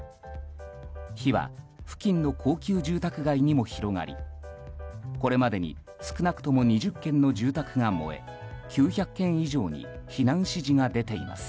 火は付近の高級住宅街にも広がりこれまでに少なくとも２０軒の住宅が燃え９００軒以上に避難指示が出ています。